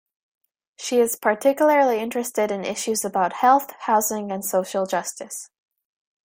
She is particularly interested in issues about health, housing and social justice.